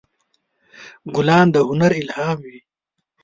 ګلان د هنر الهام وي.